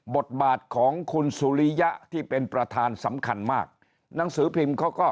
บทบาทของคุณสุริยะที่เป็นประธานสำคัญมากหนังสือพิมพ์เขาก็